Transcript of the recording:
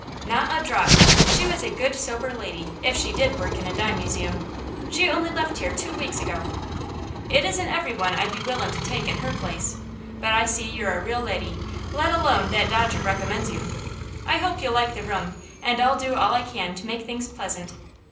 "Not a drop. She was a good, sober lady, if she did work in a dime museum. She only left here two weeks ago. It isn't every one I'd be willin' to take in her place, but I see you're a real leddy, let alone that Dodger recommends you. I hope you'll like the room, and I'll do all I can to make things pleasant.